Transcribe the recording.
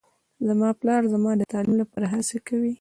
زما پلار زما د تعلیم لپاره هڅې کوي